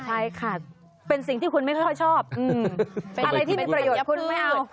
ใช่ค่ะเป็นสิ่งที่คุณไม่ค่อยชอบอะไรที่เป็นประโยชน์คุณไม่เอา